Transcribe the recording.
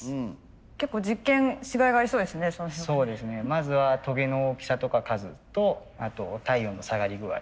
まずはトゲの大きさとか数とあと体温の下がり具合。